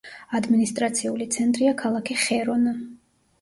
ადმინისტრაციული ცენტრია ქალაქი ხერონა.